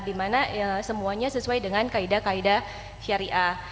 di mana semuanya sesuai dengan kaida kaida syariah